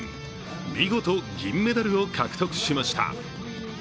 見事銀メダルを獲得しました。